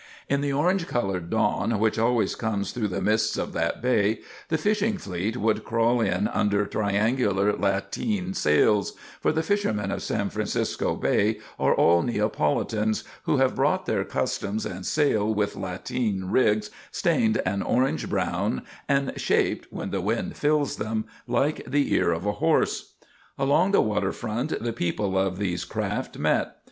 In the orange colored dawn which always comes through the mists of that bay, the fishing fleet would crawl in under triangular lateen sails; for the fishermen of San Francisco Bay are all Neapolitans who have brought their customs and sail with lateen rigs stained an orange brown and shaped, when the wind fills them, like the ear of a horse. Along the waterfront the people of these craft met.